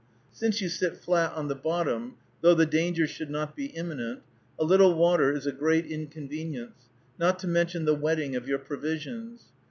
Since you sit flat on the bottom, though the danger should not be imminent, a little water is a great inconvenience, not to mention the wetting of your provisions.